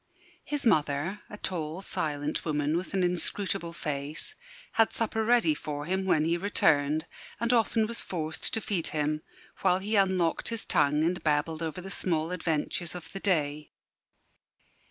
His mother a tall, silent woman with an inscrutable face had supper ready for him when he returned, and often was forced to feed him, while he unlocked his tongue and babbled over the small adventures of the day.